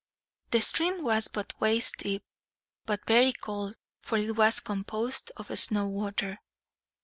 The stream was but waist deep, but very cold, for it was composed of snow water.